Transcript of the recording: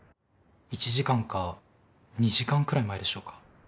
１時間か２時間くらい前でしょうか。